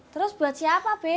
terus buat siapa be